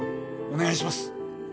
お願いします。